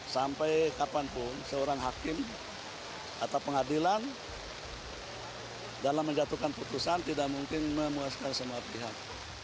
sampai kapanpun seorang hakim atau pengadilan dalam menjatuhkan putusan tidak mungkin memuaskan semua pihak